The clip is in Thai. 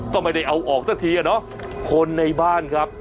ก็ไม่ได้เอาออกซะทีอ่ะเนาะคนในบ้านครับ